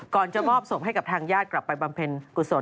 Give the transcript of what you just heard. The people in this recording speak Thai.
จะมอบศพให้กับทางญาติกลับไปบำเพ็ญกุศล